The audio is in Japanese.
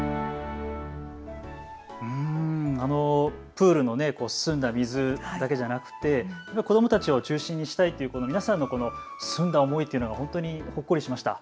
プールの澄んだ水だけじゃなくて子どもたちを中心にしたいという皆さんの澄んだ思いというのが本当にほっこりしました。